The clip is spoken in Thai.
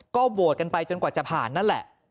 ก็โหวตกันไปจนกว่าจะผ่านนั่นแหละ